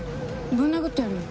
ぶん殴ってやるよ。